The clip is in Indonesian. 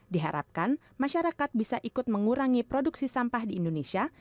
diharapkan masyarakat bisa ikut mengurangi produksi sampah di indonesia